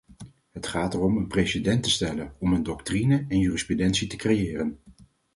Het gaat erom een precedent te stellen; om een doctrine en jurisprudentie te creëren.